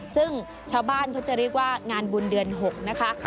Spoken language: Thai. ซึ่งชาวบ้านเขาจะเรียกว่างานบุญเดือน๖นะคะ